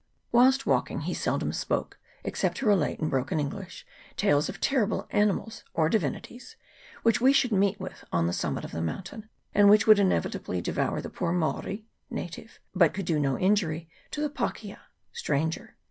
Whilst CHAP. II.] SHIP COVE. 29 walking he seldom spoke, except to relate, in broken English, tales of terrible animals, or divinities, which we should meet with on the summit of the mountain, and which would inevitably devour the poor maori (native), but could do no injury to the pakea (stranger).